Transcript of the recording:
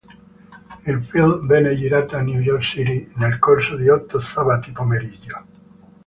Il film venne girato a New York City nel corso di otto sabati pomeriggio.